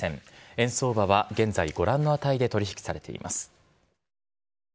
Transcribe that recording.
円相場は現在ご覧の値で取引されています。